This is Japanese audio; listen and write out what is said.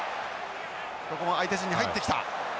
ここも相手陣に入ってきた。